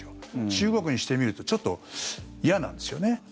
中国にしてみるとちょっと嫌なんですよね。